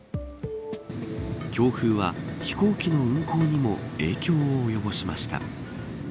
強風は飛行機の運航にも影響を及ぼしました。